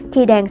khi đàn xe